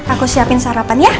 aku siapin sarapan ya